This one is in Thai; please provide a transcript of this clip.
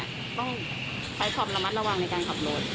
ต้องไปขอบระมัดระวังในการขับรถ